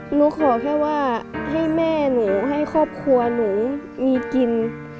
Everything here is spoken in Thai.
หนูขอแค่ว่าให้แม่หนูให้ครอบครัวหนูมีกิน